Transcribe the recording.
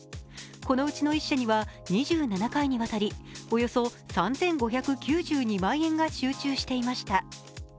このうちの１社には２７回にわたりおよそ３５９２万円が集中していました。